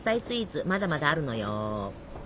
まだまだあるのよ。